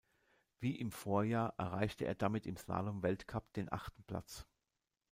Wie im Vorjahr erreichte er damit im Slalomweltcup den achten Platz.